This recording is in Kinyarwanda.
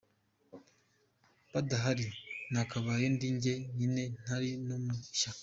Badahari, nakabaye ndi njye nyine ntari no mu ishyaka.”